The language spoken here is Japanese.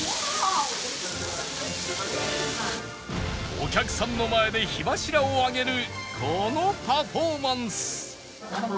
お客さんの前で火柱を上げるこのパフォーマンス